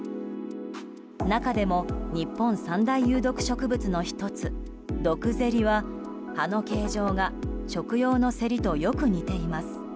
中でも日本三大有毒植物の１つドクゼリは葉の形状が食用のセリとよく似ています。